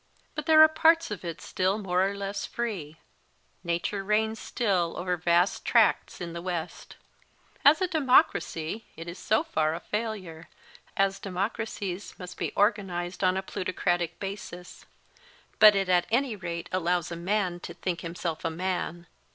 But there are parts of it still more or less free ; nature reigns still over vast tracts in the West. As a democracy it is THE CALIFORNIA COAST RANGE 190 MY FIRST BOOK so far a failure, as democracies must be organised on a plutocratic basis ; but it at any rate allows a man to think himself a man.